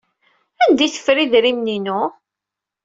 Anda ay teffer idrimen-inu?